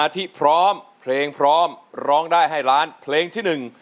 ที่๑ร้องได้ให้ล้านเพลงที่๑